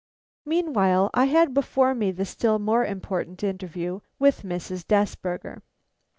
Meanwhile I had before me the still more important interview with Mrs. Desberger.